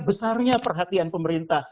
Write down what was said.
besarnya perhatian pemerintah